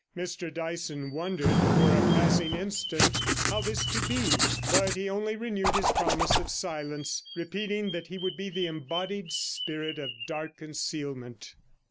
Mr Dyson wondered for a passing instant how this could be, but he only renewed his promise of silence, repeating that he would be the embodied spirit of dark concealment.